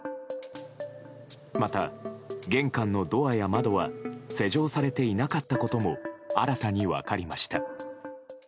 また、玄関のドアや窓は施錠されていなかったことも新たに分かりました。